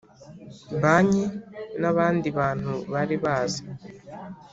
banki n abandi bantu bari bazi